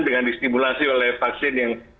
dengan distimulasi oleh vaksin yang